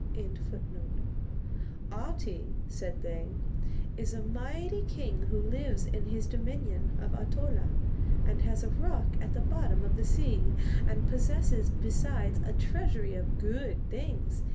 ] 'Ahti,' said they, 'is a mighty king who lives in his dominion of Ahtola, and has a rock at the bottom of the sea, and possesses besides a treasury of good things.